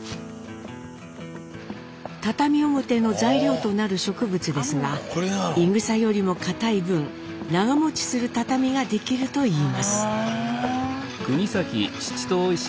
畳表の材料となる植物ですがイグサよりもかたい分長もちする畳が出来るといいます。